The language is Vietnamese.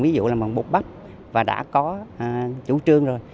ví dụ là bằng bột bắp và đã có chủ trương rồi